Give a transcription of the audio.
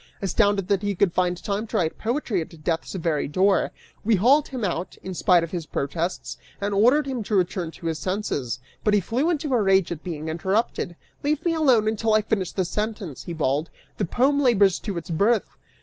Astounded that he could find time to write poetry at death's very door, we hauled him out, in spite of his protests, and ordered him to return to his senses, but he flew into a rage at being interrupted; "Leave me alone until I finish this sentence," he bawled; "the poem labors to its birth."